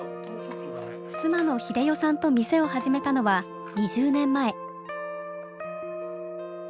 妻の秀代さんと店を始めたのは２０年前。